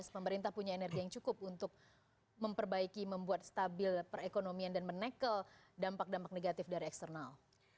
pemerintah punya energi yang cukup untuk memperbaiki membuat stabil perekonomian dan menekel dampak dampak negatif dari eksternal